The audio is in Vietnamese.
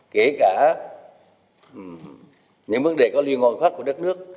kể cả những vấn đề có liên quan khác của đất nước